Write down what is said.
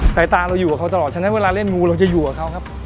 สายตาเราอยู่กับเขาตลอดฉะนั้นเวลาเล่นมูเราจะอยู่กับเขาครับ